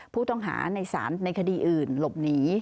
ผู้ต้องหาในศาลในคดีอื่นหลบหนี